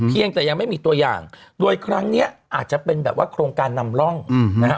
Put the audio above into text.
ยังแต่ยังไม่มีตัวอย่างโดยครั้งเนี้ยอาจจะเป็นแบบว่าโครงการนำร่องนะฮะ